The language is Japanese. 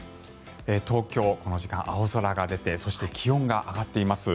東京、この時間、青空が出てそして気温が上がっています。